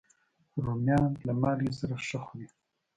رومیان له مالګې سره ښه خوري